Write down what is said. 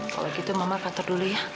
kalau gitu mama kantor dulu ya